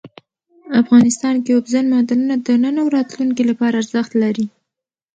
افغانستان کې اوبزین معدنونه د نن او راتلونکي لپاره ارزښت لري.